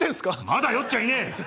まだ酔っちゃいねえ。